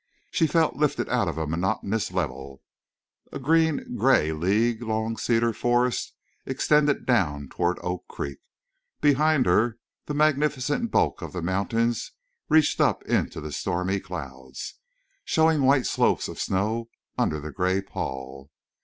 She felt lifted out of a monotonous level. A green gray league long cedar forest extended down toward Oak Creek. Behind her the magnificent bulk of the mountains reached up into the stormy clouds, showing white slopes of snow under the gray pall.